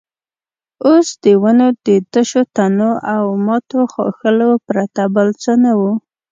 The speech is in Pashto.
اوس د ونو د تشو تنو او ماتو ښاخلو پرته بل څه نه وو.